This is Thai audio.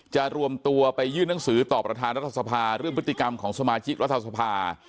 รวมตัวไปยื่นหนังสือต่อประธานรัฐสภาเรื่องพฤติกรรมของสมาชิกรัฐสภา